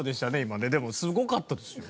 でもすごかったですよ。